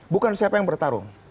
bukan siapa yang bertarung